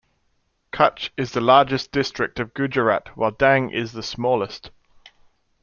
Kutch is the largest district of Gujarat while Dang is the smallest.